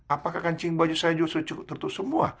apakah kancing baju saya juga sudah cukup tertutup semua